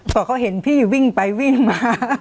พอเขาเห็นพี่วิ่งไปวิ่งมา